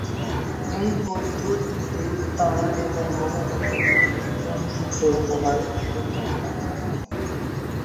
এই পদ্ধতিটি তারা এবং গ্রহ দেখার জন্য কম সফল হওয়ার সম্ভাবনা কম।